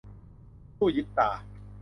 สู้ยิบตา